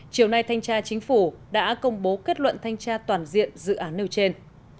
chiều nay thanh tra chính phủ đã công bố kết luận thanh tra toàn diện dự án nêu trên